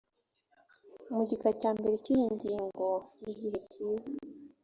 mu gika cya mbere cy iyi ngingo mu gihe kiza